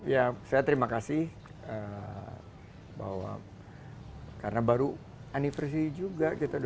ya saya terima kasih bahwa karena baru anniversary juga kita dua puluh tujuh tahun